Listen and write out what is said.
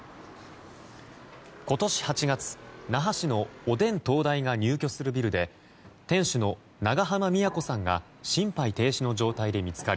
今年８月、那覇市のおでん東大が入居するビルで店主の長濱美也子さんが心肺停止の状態で見つかり